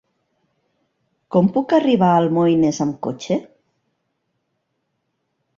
Com puc arribar a Almoines amb cotxe?